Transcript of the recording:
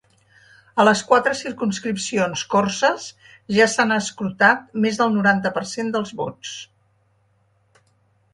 A les quatre circumscripcions corses ja s’han escrutat més del noranta per cent dels vots.